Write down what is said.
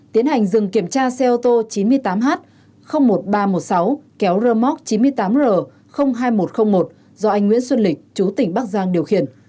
tiến hành dừng kiểm tra xe ô tô chín mươi tám h một nghìn ba trăm một mươi sáu kéo rơ móc chín mươi tám r hai nghìn một trăm linh một do anh nguyễn xuân lịch chú tỉnh bắc giang điều khiển